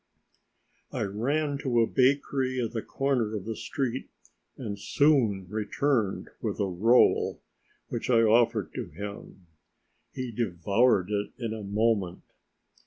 I ran to a bakery at the corner of the street and soon returned with a roll, which I offered him. He devoured it in a moment.